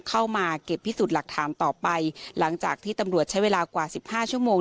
เข้ามาเก็บพิสูจน์หลักฐานต่อไปหลังจากที่ตำรวจใช้เวลากว่าสิบห้าชั่วโมง